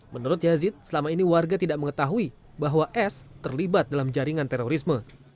menurut yazid selama ini warga tidak mengetahui bahwa s terlibat dalam jaringan terorisme